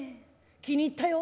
気に入ったよ。